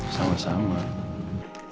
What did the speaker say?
selamat pagi bu andin